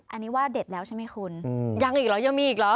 อันนี้ว่าเด็ดแล้วใช่ไหมคุณยังอีกเหรอยังมีอีกเหรอ